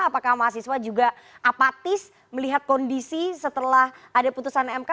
apakah mahasiswa juga apatis melihat kondisi setelah ada putusan mk